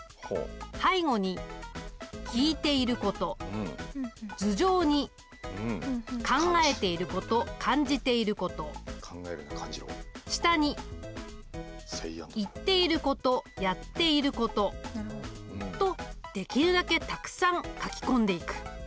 背後に聞いていること頭上に考えていること感じていること下に言っていることやっていることとできるだけたくさん書き込んでいく。